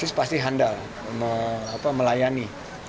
alexis pasti handal melayani